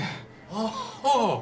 あっあぁ。